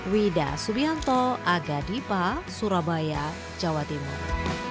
wida subianto aga dipa surabaya jawa timur